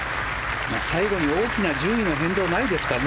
最後に大きな順位の変動がないですからね